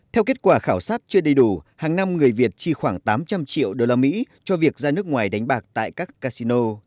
theo kết quả khảo sát chưa đầy đủ hàng năm người việt chi khoảng tám trăm linh triệu usd cho việc ra nước ngoài đánh bạc tại các casino